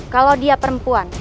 kalau dia perempuan